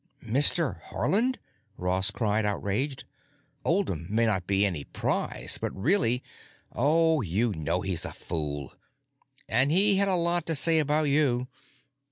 "Mister Haarland!" Ross cried, outraged. "Oldham may not be any prize but really——" "Oh, you know he's a fool. But he had a lot to say about you.